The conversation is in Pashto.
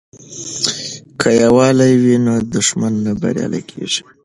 که یووالی وي نو دښمن نه بریالی کیږي.